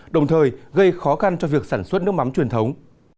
đồng thời gây khó khăn cho việc sản xuất nước mắm truyền thống